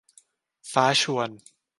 ฟ้าชวน